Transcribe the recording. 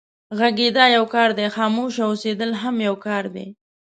غږېدا يو کار دی، خاموشه اوسېدل هم يو کار دی.